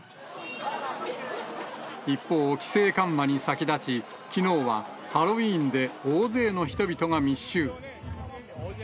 一方、規制緩和に先立ち、きのうはハロウィーンで大勢の人々が密集。